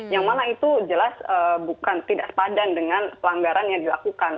yang mana itu jelas bukan tidak sepadan dengan pelanggaran yang dilakukan